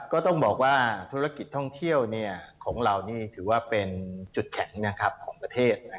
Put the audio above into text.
ก็ต้องบอกว่าธุรกิจท่องเที่ยวของเรานี่ถือว่าเป็นจุดแข็งของประเทศ